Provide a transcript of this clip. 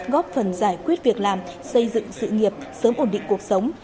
góp phần giải quyết việc làm xây dựng sự nghiệp sớm ổn định cuộc sống